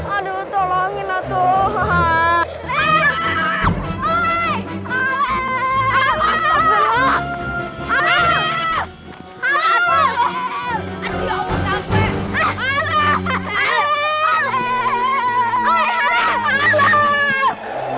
aduh tolonginlah tuhan